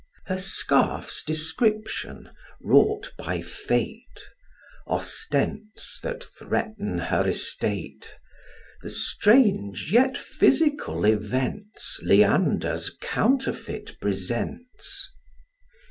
Her scarf's description, wrought by Fate; Ostents that threaten her estate; The strange, yet physical, events, Leander's counterfeit presents.